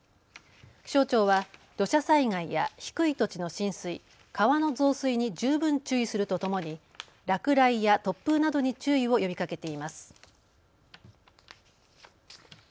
気象庁は土砂災害や低い土地の浸水、川の増水に十分注意するとともに落雷や突風などに注意を呼びかけています。